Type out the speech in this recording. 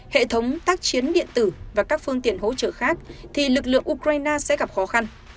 hệ thống tác chiến điện tử và các phương tiện hỗ trợ khác thì lực lượng ukraine sẽ gặp khó khăn